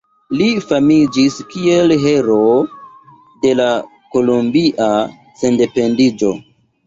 Li famiĝis kiel heroo de la kolombia sendependiĝo.